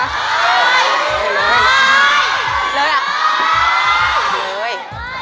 เลย